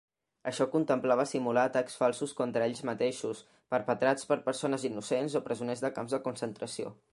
Això contemplava simular atacs falsos contra ells mateixos, perpetrats per persones innocents o presoners de camps de concentració.